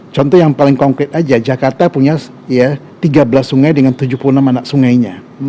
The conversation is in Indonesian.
contoh yang paling konkret aja jakarta punya tiga belas sungai dengan tujuh puluh enam anak sungainya